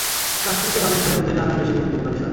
কাশ্মিরকে পাকিস্তানের অধীনে আনা বেশি গুরুত্বপূর্ণ বিষয়।